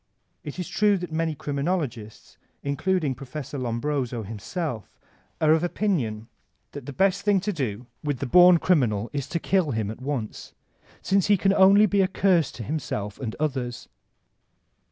It is true that many criminologists, including Prof. Lombroso himself, are of opinion that the best thing to do with the bom criminal is to kill him at once, since he can be only a curse to himself and others.